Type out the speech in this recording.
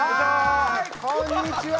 はいこんにちは！